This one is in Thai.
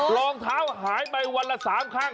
รองเท้าหายไปวันละ๓ข้าง